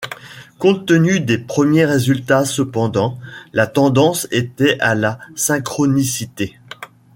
Compte tenu des premiers résultats cependant, la tendance était à la synchronicité.